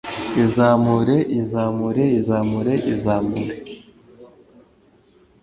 "Yizamure … Yizamure … Yizamure… Yizamure …"